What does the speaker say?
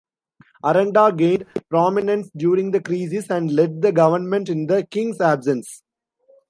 Aranda gained prominence during the crisis and led the government in the king's absence.